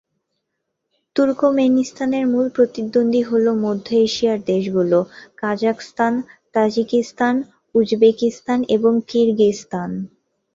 তুর্কমেনিস্তানের মূল প্রতিদ্বন্দ্বী হল মধ্য এশিয়ার দেশগুলো: কাজাখস্তান, তাজিকিস্তান, উজবেকিস্তান এবং কিরগিজস্তান।